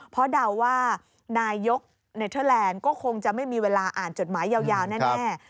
เพราะเดาว่านายกรัฐมนตรีก็คงจะไม่มีเวลาอ่านจดหมายยาวแน่